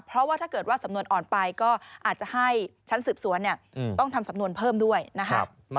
เพราะว่าถ้าเกิดว่าสำนวนอ่อนไปก็อาจจะให้ชั้นสืบสวนต้องทำสำนวนเพิ่มด้วยนะคะ